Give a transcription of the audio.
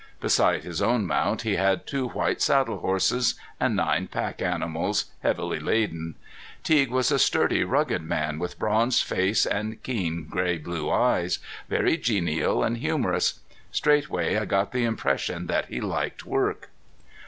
Beside his own mount he had two white saddle horses, and nine pack animals, heavily laden. Teague was a sturdy rugged man with bronzed face and keen gray blue eyes, very genial and humorous. Straightway I got the impression that he liked work.